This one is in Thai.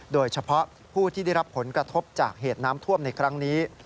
โดยเฉพาะผู้ที่ได้รับผลกระทบจากเหตุน้ำท่วมในครั้งนี้